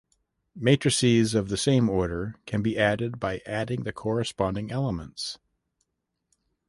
Matrices of the same order can be added by adding the corresponding elements.